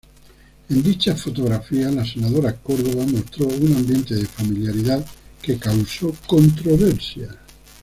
En dichas fotografías la senadora Córdoba mostró un ambiente de familiaridad que causó controversia.